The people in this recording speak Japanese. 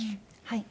はい。